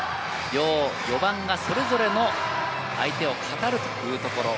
４番が、それぞれの相手を語るというところ。